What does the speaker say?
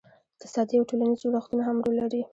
اقتصادي او ټولنیز جوړښتونه هم رول لري.